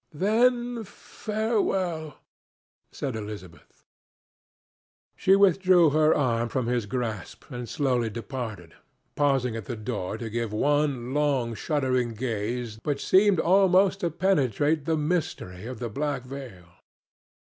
"Then farewell!" said Elizabeth. She withdrew her arm from his grasp and slowly departed, pausing at the door to give one long, shuddering gaze that seemed almost to penetrate the mystery of the black veil.